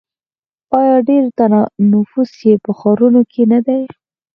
آیا ډیری نفوس یې په ښارونو کې نه دی؟